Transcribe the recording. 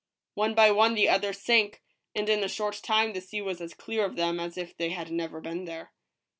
One by one the others sank, and in a short time the sea was as clear of them as if they had never been there.